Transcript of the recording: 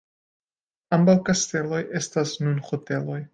Ambaŭ kasteloj estas nun hoteloj.